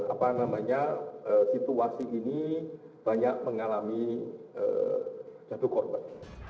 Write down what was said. apa namanya situasi ini banyak mengalami jatuh korban